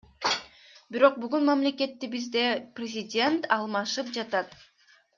Бирок бүгүн мамлекетибизде президент алмашып жатат.